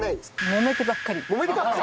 もめてばっかり？